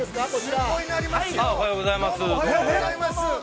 ◆どうもおはようございます。